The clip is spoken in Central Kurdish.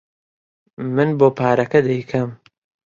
من بۆ پارەکە دەیکەم.